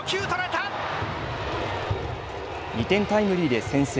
２点タイムリーで先制。